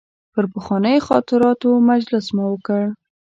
پر پخوانیو خاطراتو مجلس مو وکړ.